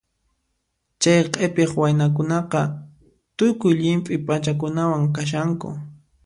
Chay q'ipiq waynakunaqa tukuy llimp'i p'achakunawan kashanku.